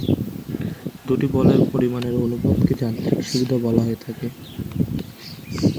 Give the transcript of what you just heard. দুইটি বলের পরিমাণের অনুপাতকে যান্ত্রিক সুবিধা বলা হয়ে থাকে।